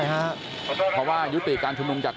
มาแล้วเข้าไปอย่างจุดรุงแรงค่ะ